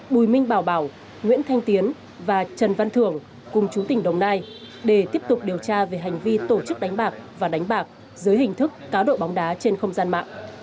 bùi minh bảo bảo nguyễn thanh tiến và trần văn thường cùng chú tỉnh đồng nai để tiếp tục điều tra về hành vi tổ chức đánh bạc và đánh bạc dưới hình thức cá độ bóng đá trên không gian mạng